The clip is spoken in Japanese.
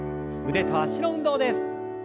腕と脚の運動です。